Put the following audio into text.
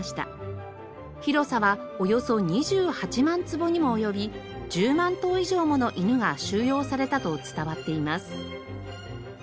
広さはおよそ２８万坪にも及び１０万頭以上もの犬が収容されたと伝わっています。